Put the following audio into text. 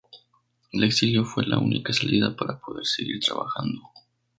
El exilio fue la única salida para poder seguir trabajando.